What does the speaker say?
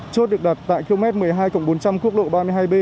chốt được đặt tại km một mươi hai bốn trăm linh quốc lộ ba mươi hai b